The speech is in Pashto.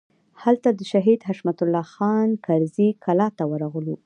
هلته د شهید حشمت الله خان کرزي کلا ته ورغلو.